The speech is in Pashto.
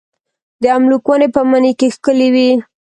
د املوک ونې په مني کې ښکلې وي.